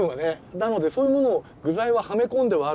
なのでそういうもの具材ははめ込んではあるんですけれども。